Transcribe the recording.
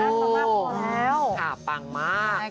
งานไงอันทรัพย์ประวังพอแล้ว